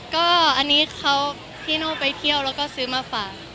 ก็อันนี้เขาพี่โน่ไปเที่ยวแล้วก็ซื้อมาฝาก